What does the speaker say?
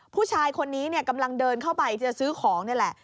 ผู้ชายคนนี้กำลังเดินเข้าไปจะซื้อของนี่แหละ